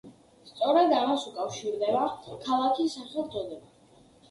სწორედ ამას უკავშირდება ქალაქის სახელწოდება.